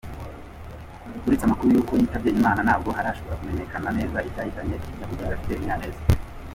Uretse amakuru y’uko yitabye Imana ntabwo harashobora kumenyekana neza icyahitanye Nyakwigendera Fidèle Munyaneza.